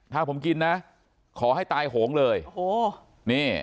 ถ้าผมกินนะขอให้ตายโหงเลยโอ้โหนี่